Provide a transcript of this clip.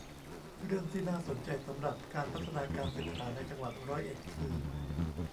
เรื่องที่น่าสนใจสำหรับการพัฒนาการศึกษาในจังหวัดร้อยเอ็ดคือ